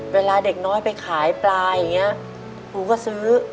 เวลาเด็กน้อยไปขายปลาอย่างนี้ครูก็ซื้อ